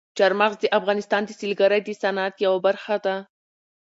چار مغز د افغانستان د سیلګرۍ د صنعت یوه برخه ده.